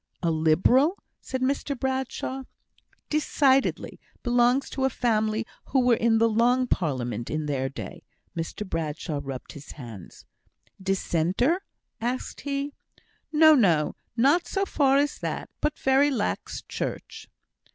"A Liberal?" said Mr Bradshaw. "Decidedly. Belongs to a family who were in the Long Parliament in their day." Mr Bradshaw rubbed his hands. "Dissenter?" asked he. "No, no! Not so far as that. But very lax Church."